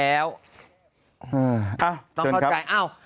เอา